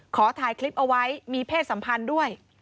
ขอถ่ายคลิปเอาไว้มีเพศสัมพันธ์ด้วย